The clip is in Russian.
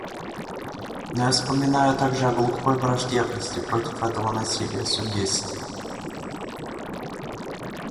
Но я вспоминаю также о глухой враждебности против этого насилия суггестии.